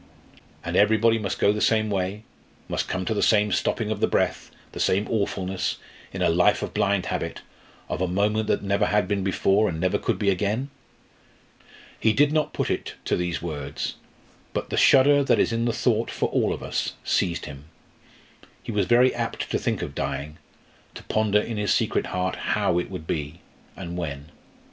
And everybody must go the same way, must come to the same stopping of the breath, the same awfulness in a life of blind habit of a moment that never had been before and never could be again? He did not put it to these words, but the shudder that is in the thought for all of us, seized him. He was very apt to think of dying, to ponder in his secret heart how it would be, and when.